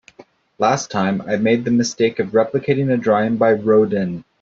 Last time, I made the mistake of replicating a drawing by Rodin.